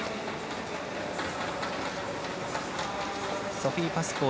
ソフィー・パスコー